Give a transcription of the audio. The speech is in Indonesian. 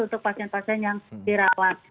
untuk pasien pasien yang dirawat